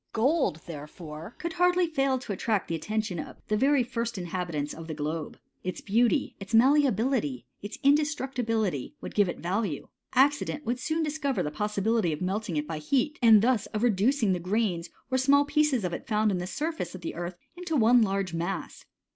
Gold, therefore, could hardly fail to attract the at tention of the very first inhabitants of the globe ; its beauty, its malleability, its indestructibility, would give it value : accident would soon discover the pos sibility of melting it by heat, and thus of reducing tha grains or small pieces of it found on the surface of the earth into one large mass.